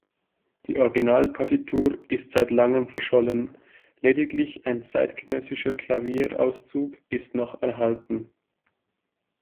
Die Originalpartitur ist seit Langem verschollen, lediglich ein zeitgenössischer Klavierauszug ist noch erhalten.